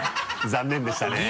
残念でしたね。